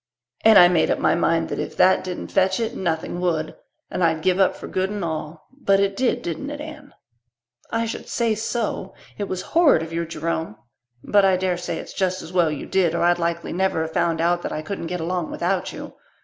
And I made up my mind that if that didn't fetch it nothing would and I'd give up for good and all. But it did, didn't it, Anne?" "I should say so. It was horrid of you, Jerome but I daresay it's just as well you did or I'd likely never have found out that I couldn't get along without you.